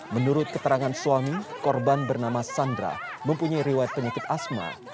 menurut keterangan suami korban bernama sandra mempunyai riwayat penyakit asma